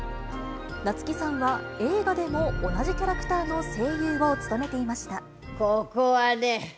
夏木さんは、映画でも同じキャラクターの声優を務めていました。